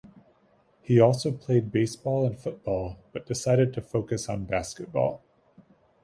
He also played baseball and football but decided to focus on basketball.